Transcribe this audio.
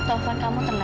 telfon kamu tenang ya